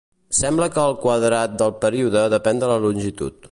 Sembla que el quadrat del període depèn de la longitud.